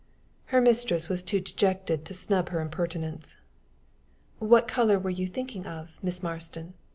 Her mistress was too dejected to snub her impertinence. "What color were you thinking of, Miss Marston?"